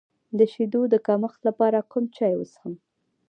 د شیدو د کمښت لپاره کوم چای وڅښم؟